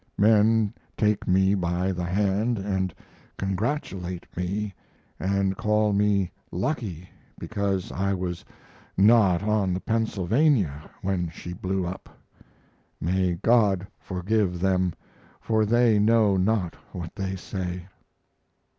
Men take me by the hand and congratulate me, and call me "lucky" because I was not on the Pennsylvania when she blew up! May God forgive them, for they know not what they say.